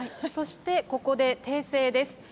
そしてここで訂正です。